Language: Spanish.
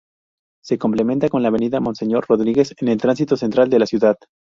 Se complementa con la Avenida Monseñor Rodríguez en el tránsito central de la ciudad.